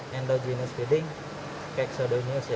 kondogenius feeding keksodonius ya